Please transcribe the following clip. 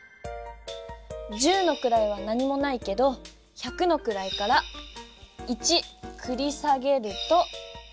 十のくらいは何もないけど百のくらいから１くり下げると。